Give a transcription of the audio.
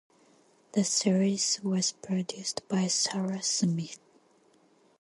The series was produced by Sarah Smith.